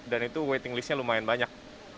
dan itu waiting listnya lumayan banyak